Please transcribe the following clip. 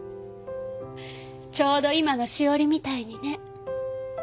ちょうど今の詩織みたいにね。